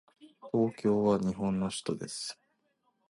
東京は日本の首都です。